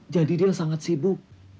jadi dia sangat sibuk